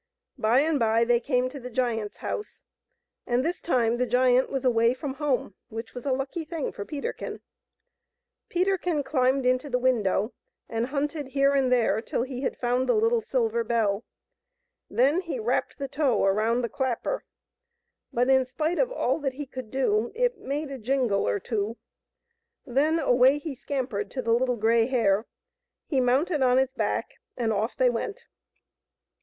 By and by they came to the giant's house, and this time the giant was away from home, which was a lucky thing for Peterkin. Peterkin climbed into the window, and hunted here and there till he had found the little silver bell. Then he wrapped the tow around the clapper, but, in spite of all that he could do, it made a jingle or two. Then away he scampered to the Little Grey Hare. He mounted on its back, and off they went.